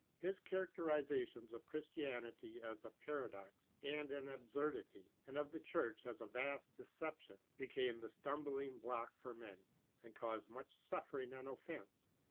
His characterizations of Christianity as a " para dox" and " an absurditv," and of the Church as a '* vast deception/' became the stumbling block for many, and caused much suffering and offence.